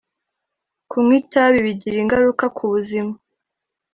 Kunywa itabi bigira ingaruka kubuzima